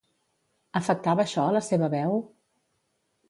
Afectava això a la seva veu?